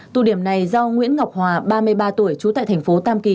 tụ điểm này do nguyễn ngọc hòa ba mươi ba tuổi trú tại thành phố tam kỳ